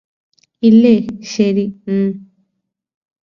ഇല്ലേ ശരി ഉം